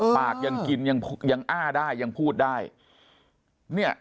ปากยังกินยังอ้าได้ยังพูดได้เนี่ย